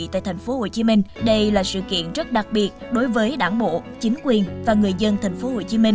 tại tp hcm đây là sự kiện rất đặc biệt đối với đảng bộ chính quyền và người dân tp hcm